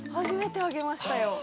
初めて揚げましたよ。